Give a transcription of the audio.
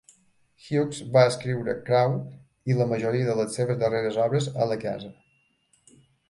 Hughes va escriure "Crow" i la majoria de les seves darreres obres a la casa.